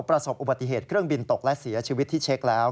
ประสบอุบัติเหตุเครื่องบินตกและเสียชีวิตที่เช็คแล้ว